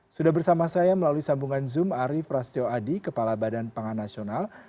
sudah bersama saya melalui sambungan zoom arief rastio adi kepala badan pangan nasional